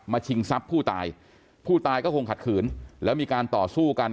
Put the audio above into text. ชิงทรัพย์ผู้ตายผู้ตายก็คงขัดขืนแล้วมีการต่อสู้กัน